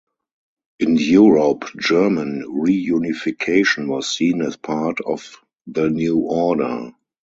In Europe, German reunification was seen as part of the new order.